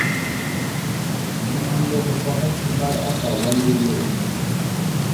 Hehme məfahoŋ slemay akà wal wele ?